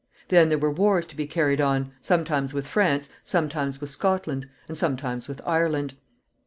Then there were wars to be carried on, sometimes with France, sometimes with Scotland, and sometimes with Ireland.